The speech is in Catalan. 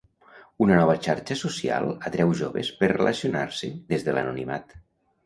Una nova xarxa social atreu joves per relacionar-se des de l'anonimat.